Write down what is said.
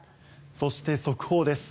そして、速報です。